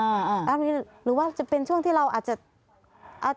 อันนี้หรือว่าจะเป็นช่วงที่เราอาจจะ